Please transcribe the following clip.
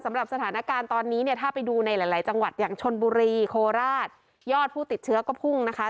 สำหรับสถานการณ์ตอนนี้เนี่ยถ้าไปดูในหลายจังหวัดอย่างชนบุรีโคราชยอดผู้ติดเชื้อก็พุ่งนะคะ